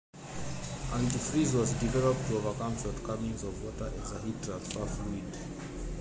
Antifreeze was developed to overcome the shortcomings of water as a heat transfer fluid.